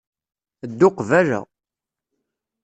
Ddu qbala